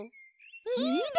いいね！